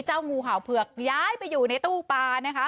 งูเห่าเผือกย้ายไปอยู่ในตู้ปลานะคะ